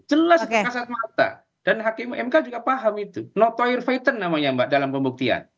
jelas kasar mata dan hkmu mk juga paham itu notoir fighter namanya mbak dalam pembuktian